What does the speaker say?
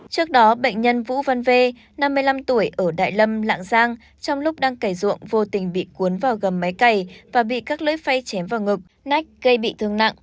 trước đó bệnh nhân vũ văn v năm mươi năm tuổi ở đại lâm lạng giang trong lúc đang cải ruộng vô tình bị cuốn vào gầm máy cày và bị các lưỡi phay chém vào ngực nách gây bị thương nặng